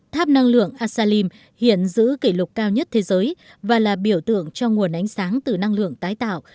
tháp năng lượng asalim hiện giữ kỷ lục cao nhất thế giới và là biểu tượng cho nguồn ánh sáng từ năng lượng tái tạo